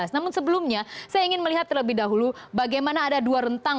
namun sebelumnya saya ingin melihat terlebih dahulu bagaimana ada dua rentang